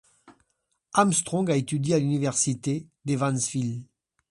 Armstrong a étudié à l'université d'Evansville.